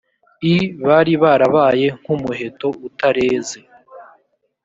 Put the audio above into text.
i bari barabaye nk umuheto utareze